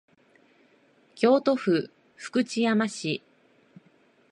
京都府福知山市